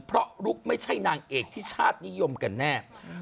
เพราะลุกไม่ใช่นางเอกที่ชาตินิยมกันแน่